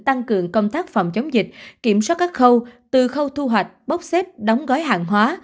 tăng cường công tác phòng chống dịch kiểm soát các khâu từ khâu thu hoạch bốc xếp đóng gói hàng hóa